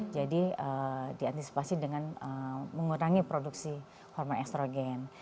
jadi diantisipasi dengan mengurangi produksi hormon estrogen